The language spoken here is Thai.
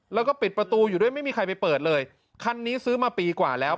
แล้วก็ปิดประตูอยู่ด้วยไม่มีใครไปเปิดเลยคันนี้ซื้อมาปีกว่าแล้ว